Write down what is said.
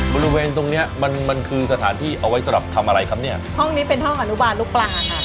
บริเวณตรงเนี้ยมันมันคือสถานที่เอาไว้สำหรับทำอะไรครับเนี่ยห้องนี้เป็นห้องอนุบาลลูกปลาค่ะ